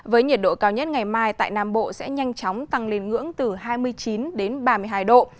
với nhiệt độ cao nhất ngày mai tại nam bộ sẽ nhanh chóng tăng lên ngưỡng từ hai mươi chín đến ba mươi hai độ